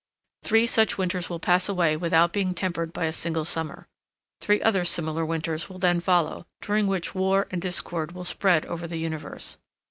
Three such winters will pass away without being tempered by a single summer. Three other similar winters will then follow, during which war and discord will spread over the universe.